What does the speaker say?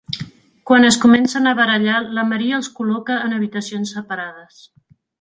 Quan es comencen a barallar, la Maria els col·loca en habitacions separades.